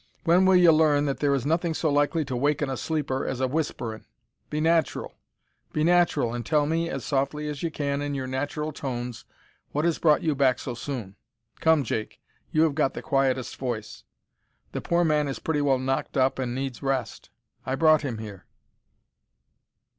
"When will ye learn that there is nothing so likely to waken a sleeper as whisperin'? Be natural be natural, and tell me, as softly as ye can in your natural tones, what has brought you back so soon. Come, Jake, you have got the quietest voice. The poor man is pretty well knocked up and needs rest. I brought him here."